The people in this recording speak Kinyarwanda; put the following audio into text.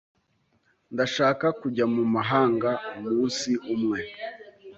Ndashaka kujya mu mahanga umunsi umwe.